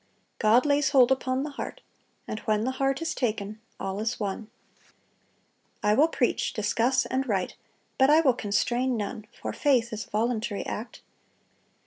God lays hold upon the heart; and when the heart is taken, all is won.... "I will preach, discuss, and write; but I will constrain none, for faith is a voluntary act.